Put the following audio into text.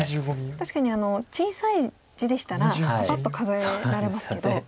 確かに小さい地でしたらパパッと数えられますけど。